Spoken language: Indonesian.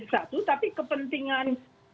satu tapi kepentingan